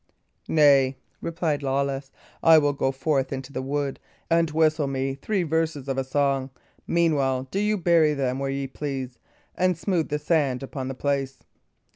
"Nay," replied Lawless, "I will go forth into the wood and whistle me three verses of a song; meanwhile, do you bury them where ye please, and smooth the sand upon the place."